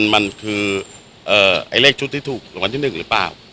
มันคือเลขชุดที่ถูกรางวัลที่๑หรือเปล่า